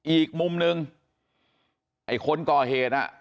อีกมุมหนึ่งไอคนกอเฮท